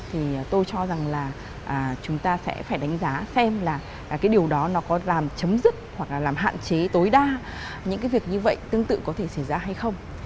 thì tôi cho rằng là chúng ta sẽ phải đánh giá xem là cái điều đó nó có làm chấm dứt hoặc là làm hạn chế tối đa những cái việc như vậy tương tự có thể xảy ra hay không